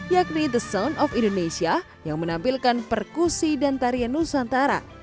yakni the sound of indonesia yang menampilkan perkusi dan tarian nusantara